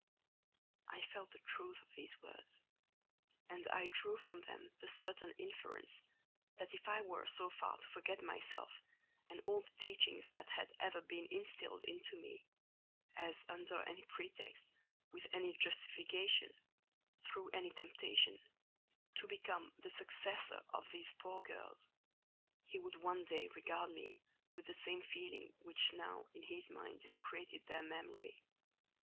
I felt the truth of these words; and I drew from them the certain inference, that if I were so far to forget myself and all the teaching that had ever been instilled into me, as—under any pretext—with any justification—through any temptation—to become the successor of these poor girls, he would one day regard me with the same feeling which now in his mind desecrated their memory.